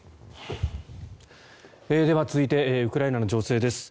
では、続いてウクライナ情勢です。